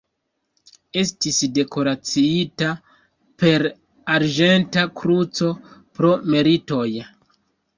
Estis dekoraciita per Arĝenta kruco pro meritoj.